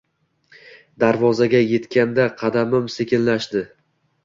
Darvozaga etganda qadamim sekinlashdi